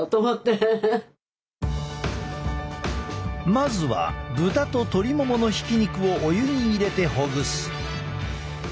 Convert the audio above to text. まずは豚と鶏モモのひき肉をお湯に入れてほぐす。